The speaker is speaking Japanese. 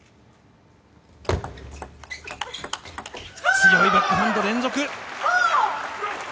強いバックハンド、連続！